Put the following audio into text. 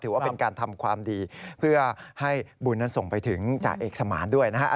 ถือว่าเป็นการทำความดีเพื่อให้บุญนั้นส่งไปถึงจ่าเอกสมานด้วยนะฮะ